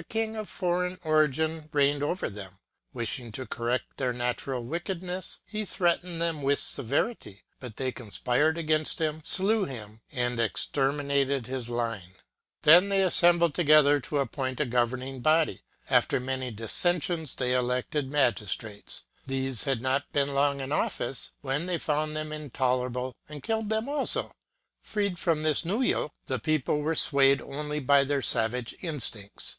A king of foreign origin reigned over them. Wishing to correct their natural wickedness, he treated them with severity ; but they conspired against him, slew him, and exterminated his line. They then assembled to appoint a governing body. After many dissensions, they elected magistrates. These had not been long in office, when they found them intolerable, and killed them also. Freed from this new yoke, the people were swayed only by their savage instincts.